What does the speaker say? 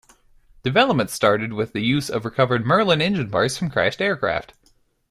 Development started with the use of recovered Merlin engine parts from crashed aircraft.